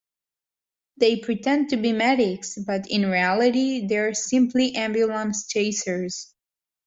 They pretend to be medics, but in reality they are simply ambulance chasers.